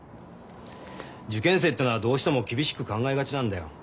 受験生ってのはどうしても厳しく考えがちなんだよ。